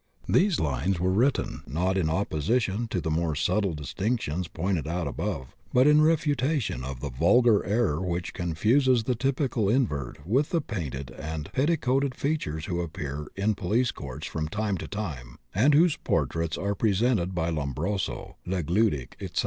These lines were written, not in opposition to the more subtle distinctions pointed out above, but in refutation of the vulgar error which confuses the typical invert with the painted and petticoated creatures who appear in police courts from time to time, and whose portraits are presented by Lombroso, Legludic, etc.